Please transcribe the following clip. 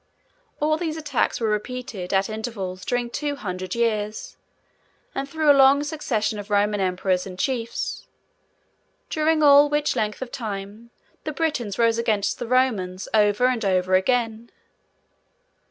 All these attacks were repeated, at intervals, during two hundred years, and through a long succession of Roman Emperors and chiefs; during all which length of time, the Britons rose against the Romans, over and over again.